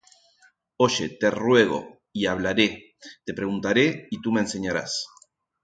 Oye te ruego, y hablaré; Te preguntaré, y tú me enseñarás.